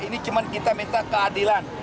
ini cuma kita minta keadilan